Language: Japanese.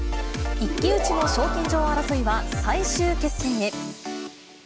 一騎打ちの賞金女王争いは、最終決戦へ。